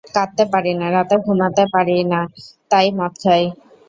কাঁদতে পারি না, রাতে ঘুমাতে পারি না, তাই মদ খাই।